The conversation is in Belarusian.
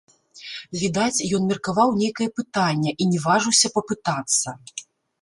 Відаць, ён меркаваў нейкае пытанне і не важыўся папытацца.